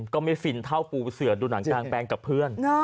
ไม่ฟินเท่าปูเสือดูหนังกลางแปลงกับเพื่อน